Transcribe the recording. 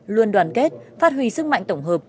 luôn đoàn kết phát huy sức mạnh tổng hợp